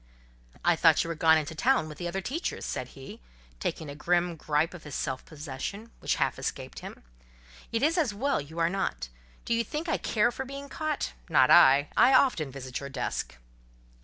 "I thought you were gone into town with the other teachers," said he, taking a grim gripe of his self possession, which half escaped him—"It is as well you are not. Do you think I care for being caught? Not I. I often visit your desk."